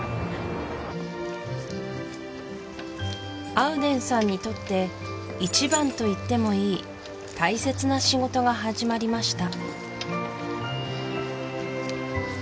アウデンさんにとって一番といってもいい大切な仕事が始まりました